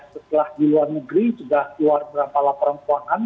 setelah di luar negeri sudah keluar beberapa laporan keuangan